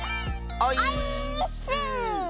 オイーッス！